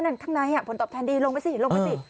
ข้างในผลตอบแทนดีลงไปสิลงไปสิ